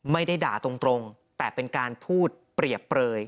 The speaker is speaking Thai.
ไม่ได้ด่าตรงแต่เป็นการพูดเปรียบเปลย